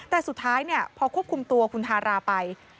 แต่สุดท้ายพอควบคุมตัวคุณทาราไป